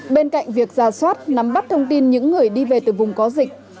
bên cạnh việc ra soát nắm bắt thông tin những người đi về từ vùng có dịch